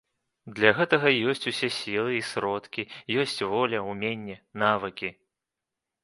Для гэтага ёсць усе сілы і сродкі, ёсць воля, уменні, навыкі.